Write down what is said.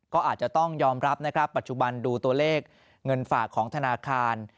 ก็อาจจะต้องยอมรับนะครับปัจจุบันดูตัวเลขเงินฝากของธนาคาร